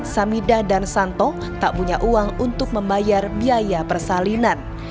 samida dan santo tak punya uang untuk membayar biaya persalinan